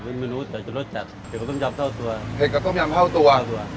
เป็นเมนูหัวเตี๋ยวจุดรสจัดเผ็ดกับต้มยำเท่าตัวเผ็ดกับต้มยำเท่าตัว